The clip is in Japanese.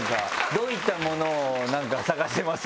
「どういったものを探してますか？」